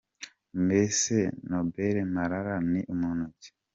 Mbese Noble Marara ni muntu ki ?